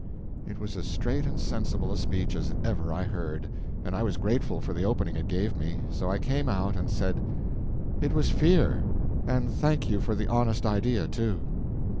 It was as straight and sensible a speech as ever I heard, and I was grateful for the opening it gave me; so I came out and said: "It was fear—and thank you for the honest idea, too."